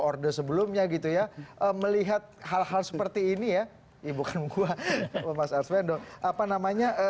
udah sebelumnya gitu ya melihat hal hal seperti ini ya ibu kan bukuan mas aswendong apa namanya